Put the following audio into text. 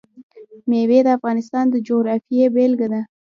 مېوې د افغانستان د جغرافیې بېلګه ده.